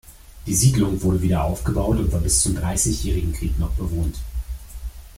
Die Siedlung wurde wieder aufgebaut und war bis zum Dreißigjährigen Krieg noch bewohnt.